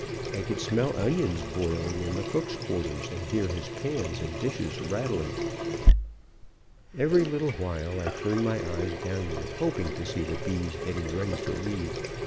I could smell onions boiling in the cook's quarters, and hear his pans and dishes rattling. "Every little while I turned my eyes downward, hoping to see the bees getting ready to leave.